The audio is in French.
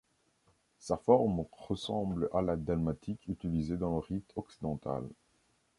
Sa forme ressemble à la dalmatique utilisée dans le rite occidental.